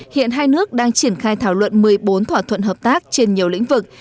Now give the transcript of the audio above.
hiện hai nước đang triển khai thảo luận một mươi bốn thỏa thuận hợp tác trên nhiều lĩnh vực